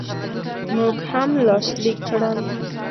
موږ هم لاسلیک کړل.